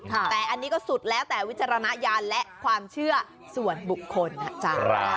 แต่อันนี้ก็สุดแล้วแต่วิจารณญาณและความเชื่อส่วนบุคคลนะจ๊ะ